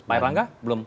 pak erlang gak belum